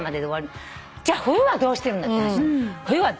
じゃあ冬はどうしてるんだって話。